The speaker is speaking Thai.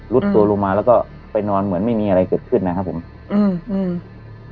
ตัวลงมาแล้วก็ไปนอนเหมือนไม่มีอะไรเกิดขึ้นนะครับผมอืมอืม